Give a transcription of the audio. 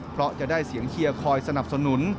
เพราะจะได้เสียงเชียร์คอยสนับสนุน